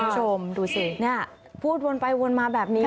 ชมดูสิพูดวนไปวนมาแบบนี้นะคะ